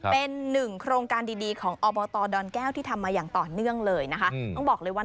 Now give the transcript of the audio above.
เป็นนึงโครงการดีของอตดอนแก้วที่ทำเนื่องเลยนะเจ้า